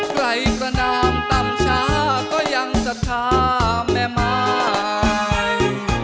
ใครกระนามตำชาก็ยังสัทธาแม่มาย